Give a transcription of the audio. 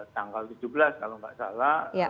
tanggal tujuh belas kalau nggak salah